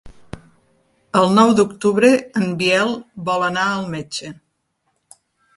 El nou d'octubre en Biel vol anar al metge.